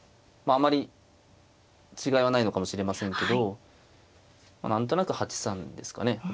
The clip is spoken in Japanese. まああまり違いはないのかもしれませんけど何となく８三ですかね